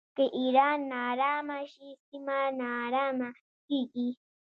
که ایران ناارامه شي سیمه ناارامه کیږي.